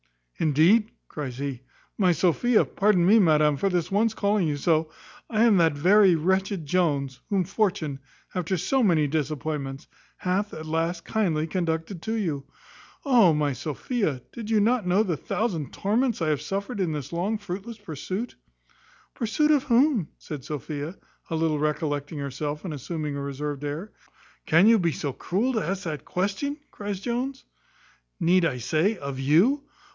"Indeed," cries he, "my Sophia, pardon me, madam, for this once calling you so, I am that very wretched Jones, whom fortune, after so many disappointments, hath, at last, kindly conducted to you. Oh! my Sophia, did you know the thousand torments I have suffered in this long, fruitless pursuit." "Pursuit of whom?" said Sophia, a little recollecting herself, and assuming a reserved air. "Can you be so cruel to ask that question?" cries Jones; "Need I say, of you?"